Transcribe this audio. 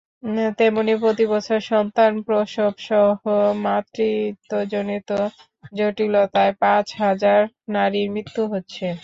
তেমনি প্রতিবছর সন্তান প্রসবসহ মাতৃত্বজনিত জটিলতায় পাঁচ হাজার নারীর মৃত্যু হচ্ছে।